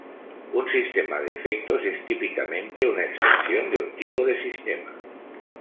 Un sistema de efectos es típicamente una extensión de un tipo de sistema.